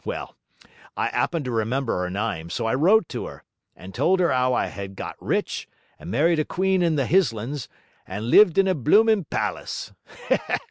Well, I 'appened to remember her nyme, so I wrote to her, and told her 'ow I had got rich, and married a queen in the Hislands, and lived in a blooming palace.